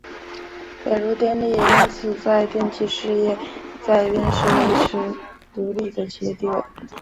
北陆电力也因此在电气事业再编时维持了独立的企业地位。